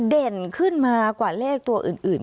เด่นขึ้นมากว่าเลขตัวอื่น